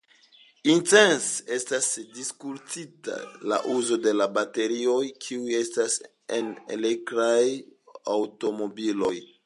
Intense estas diskutita la uzo de la baterioj, kiuj estas en elektraj aŭtomobiloj.